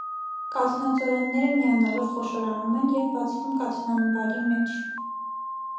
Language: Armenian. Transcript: Կաթնածորանները միանալով խոշորանում են և բացվում կաթնամբարի մեջ։